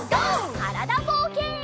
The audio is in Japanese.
からだぼうけん。